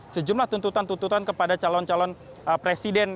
sejumlah tuntutan tuntutan kepada calon calon presiden